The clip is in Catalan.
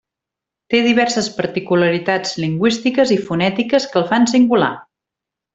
Té diverses particularitats lingüístiques i fonètiques que el fan singular.